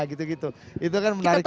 itu kan menarik tuh